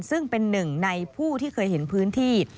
ซึ่งเป็นหนึ่งในผู้ที่เคยเห็นพื้นที่